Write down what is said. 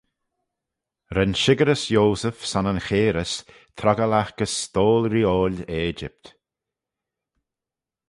Ren shickerys Yoseph son yn chairys troggal eh gys stoyl reeoil Egypt.